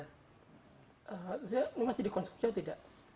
ini masih dikonsumsi atau tidak